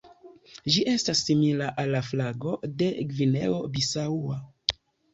Ĝi estas simila al la flago de Gvineo Bisaŭa.